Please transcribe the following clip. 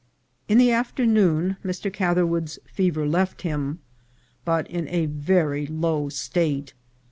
In the afternoon Mr. Catherwood's fever left him, but in a very low state.